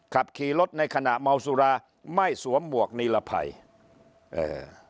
ขับขี่รถในขณะเมาสุราไม่สวมหมวกนิรภัยเอ่อ